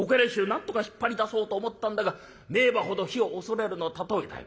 なんとか引っ張り出そうと思ったんだが『名馬ほど火を恐れる』の例えだよ。